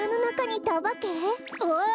ああ！